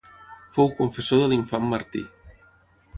Fou confessor de l'infant Martí.